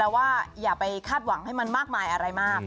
แล้วว่าอย่าไปคาดหวังให้มันมากมายอะไรมาก